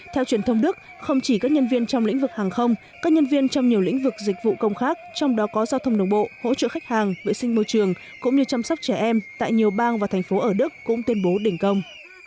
theo truyền thông đức không chỉ các nhân viên trong lĩnh vực hàng không các nhân viên trong nhiều lĩnh vực dịch vụ công khác trong đó có giao thông đồng bộ hỗ trợ khách hàng vệ sinh môi trường cũng như chăm sóc trẻ em tại nhiều bang và thành phố ở đức cũng tuyên bố đình công